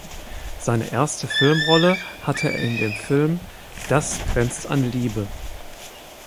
Seine erste Filmrolle hatte er in dem Film "Das grenzt an Liebe".